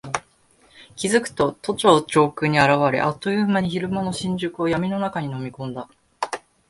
気付くと都庁上空に現れ、あっという間に昼間の新宿を闇の中に飲み込んだ。